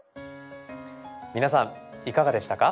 皆さんいかがでしたか？